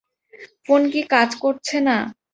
Phone কি কাজ করছে না?